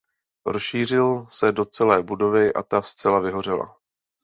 Rozšířil se do celé budovy a ta zcela vyhořela.